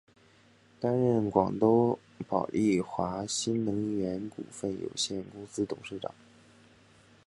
担任广东宝丽华新能源股份有限公司董事长。